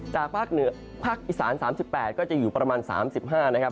จากภาคอิสาน๓๘ก็จะอยู่ประมาณ๓๕นะครับ